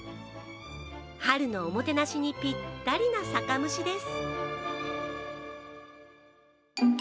春のおもてなしにピッタリな酒蒸しです。